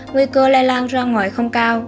nguy cơ lây lan ra ngoài không cao